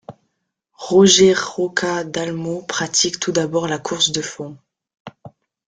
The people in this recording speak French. Roger Roca Dalmau pratique tout d'abord la course de fond.